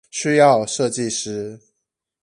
需要設計師